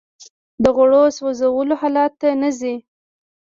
د غوړو سوځولو حالت ته نه ځي